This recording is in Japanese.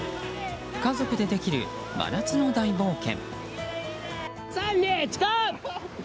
家族でできる真夏の大冒険。